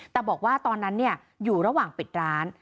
แต่บอกว่าตอนนั้นอยู่ระหว่างปิดร้าน